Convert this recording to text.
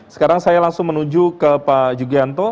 sekarang saya langsung menuju ke pak jugianto